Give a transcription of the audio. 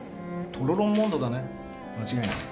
「トロロン・モンド」だね間違いない。